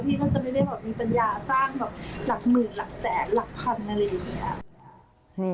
พี่ก็จะไม่ได้แบบมีปัญญาสร้างแบบหลักหมื่นหลักแสนหลักพันอะไรอย่างนี้